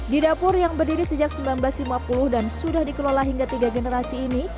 di dapur yang berdiri sejak seribu sembilan ratus lima puluh dan sudah dikelola hingga tiga generasi ini